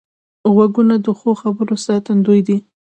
غوږونه د ښو خبرو ساتندوی دي